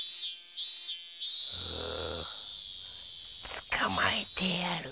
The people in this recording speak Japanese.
つかまえてやる。